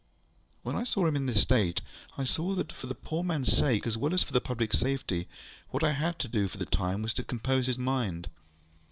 ŌĆØ When I saw him in this state, I saw that for the poor manŌĆÖs sake, as well as for the public safety, what I had to do for the time was to compose his mind.